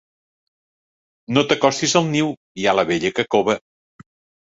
No t'acostis al niu: hi ha la vella que cova.